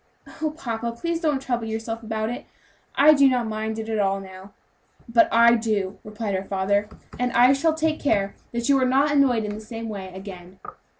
"Oh, papa, please don't trouble yourself about it. I do not mind it at all, now." "But I do," replied her father, "and I shall take care that you are not annoyed in the same way again."